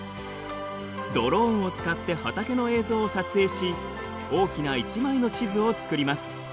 ドローンを使って畑の映像を撮影し大きな１枚の地図を作ります。